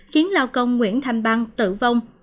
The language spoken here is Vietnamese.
khiến lao công nguyễn thành băng tử vong